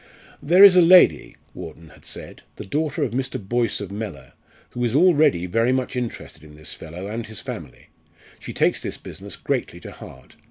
"There is a lady," Wharton had said, "the daughter of Mr. Boyce of Mellor, who is already very much interested in this fellow and his family. She takes this business greatly to heart.